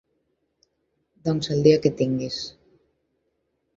Doncs el dia que tinguis.